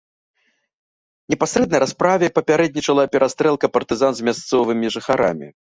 Непасрэдна расправе папярэднічала перастрэлка партызан з мясцовымі жыхарамі.